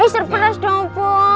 eh surprise dong bu